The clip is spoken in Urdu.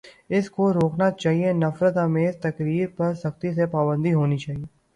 اس کو روکنا چاہیے، نفرت آمیز تقاریر پر سختی سے پابندی ہونی چاہیے۔